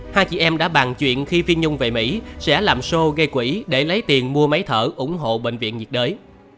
hai chị em đã bàn chuyện khi phiên nhung về mỹ sẽ làm sô gây quỹ để lấy tiền mua máy thở ủng hộ bệnh viện nhiệt đới